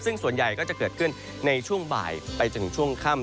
ซึ่งส่วนใหญ่ก็จะเกิดขึ้นในช่วงบ่ายไปจนถึงช่วงค่ำ